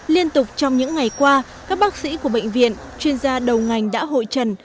liên tục trong những ngày qua các bác sĩ của bệnh viện chuyên gia đầu ngành đã hội trần